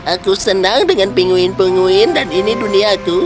aku senang dengan pinguin pinguin dan ini duniaku